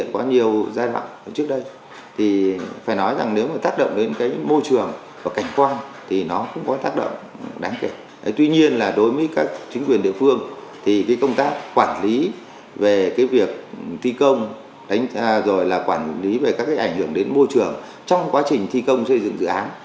chính quyền địa phương thì công tác quản lý về việc thi công rồi là quản lý về các ảnh hưởng đến môi trường trong quá trình thi công xây dựng dự án